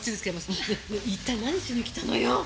一体何しに来たのよ！？